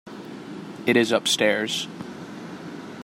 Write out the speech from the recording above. It is upstairs.